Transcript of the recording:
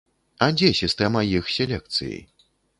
А дзе сістэма іх селекцыі?